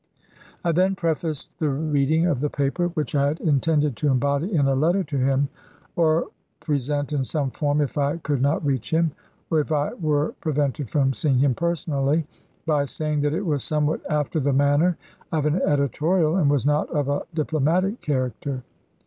I then prefaced the reading of the paper — which I had intended to embody in a letter to him, or present in some form if I could not reach him, or if I were prevented from seeing him personally — by saying that it was somewhat after the manner of an editorial and was not of a diplomatic character.